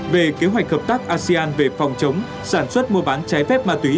về kế hoạch hợp tác asean về phòng chống sản xuất mua bán trái phép ma túy